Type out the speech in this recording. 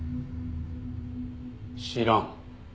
知らん。